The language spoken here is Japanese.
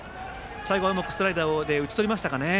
最後はうまくスライダーで打ち取りましたかね。